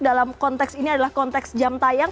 dalam konteks ini adalah konteks jam tayang